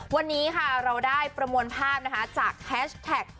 วันนี้ค่ะเราได้ประมวลภาพนะคะจากแฮชแท็ก